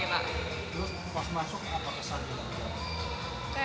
terus pas masuk apa kesan